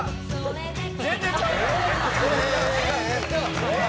「全然ちゃうやん」